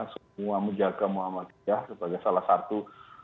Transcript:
semua menjaga muhammadiyah sebagai salah satu